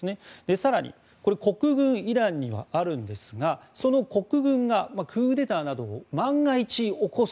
更に、国軍がイランにはあるんですがその国軍がクーデターなどを万が一起こす。